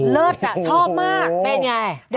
เลิศน่ะชอบมากแบดไง